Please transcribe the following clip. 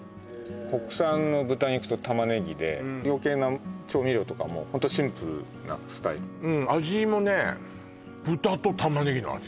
国産の豚肉と玉ねぎでよけいな調味料とかもホントシンプルなスタイルうん味もね